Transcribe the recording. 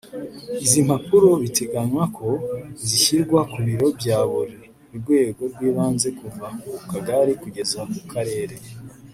Izi mpapuro biteganywa ko zishyirwa ku biro bya buri rwego rw’ibanze kuva ku kagari kugeza ku karere